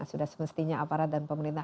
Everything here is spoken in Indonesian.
sudah semestinya aparat dan pemerintah